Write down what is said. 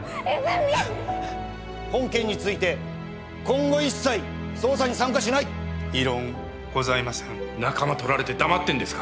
本件について今後一切捜査に参加しない異論ございません仲間とられて黙ってんですか？